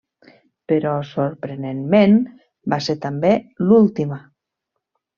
Però, sorprenentment va ser també l'última.